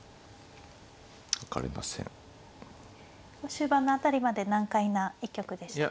終盤の辺りまで難解な一局でしたか。